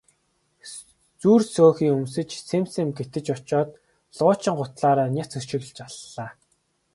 Зүр сөөхий өмсөж сэм сэм гэтэж очоод луучин гутлаараа няц өшиглөж аллаа.